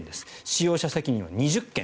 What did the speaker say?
使用者責任は２０件。